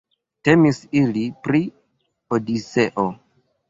Temis ili pri Odiseo.